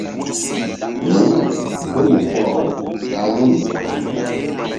Wu̧y ké mu ko-aw ɓa wu̧y.